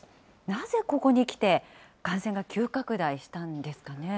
なぜここにきて、感染が急拡大したんですかね。